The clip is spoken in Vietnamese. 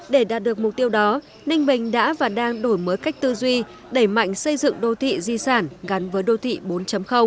để đạt được mục tiêu đó ninh bình đã và đang đổi mới cách tư duy đẩy mạnh xây dựng đô thị di sản gắn với đô thị bốn